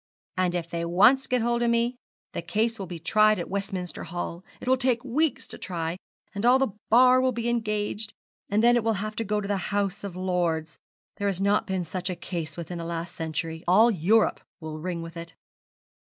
And if they once get hold of me, the case will be tried at Westminster Hall. It will take weeks to try, and all the Bar will be engaged; and then it will have to go to the House of Lords. There has not been such a case within the last century. All Europe will ring with it.'